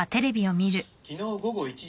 昨日午後１時すぎ